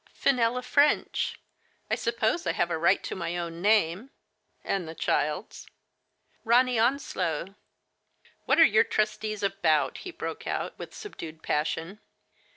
" Fenella Ffrench. I suppose I have a right to my own name ?" "And the child's?" " Ronny Onslow." "What are your trustees about?" he broke out, with subdued passion.